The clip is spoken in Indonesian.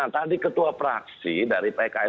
tadi ketua praksi dari pks